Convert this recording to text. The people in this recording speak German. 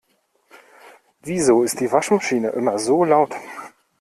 Wieso ist die Waschmaschine immer so laut?